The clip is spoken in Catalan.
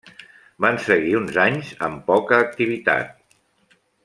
Van seguir uns anys amb poca activitat.